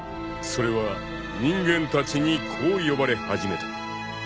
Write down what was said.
［それは人間たちにこう呼ばれ始めた］